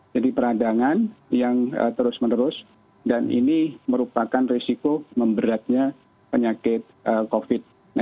jadi peradangan yang terus menerus dan ini merupakan risiko memberatnya penyakit covid sembilan belas